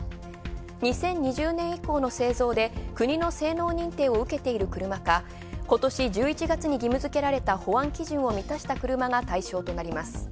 ２０２０年以降の製造で国の性能認定を受けている車か、今年１１月に義務付けられた保安基準を満たした車が対象となります。